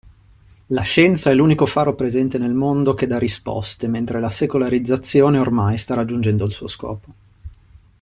La scienza è l'unico faro presente nel mondo che dà risposte mentre la secolarizzazione ormai sta raggiungendo il suo scopo.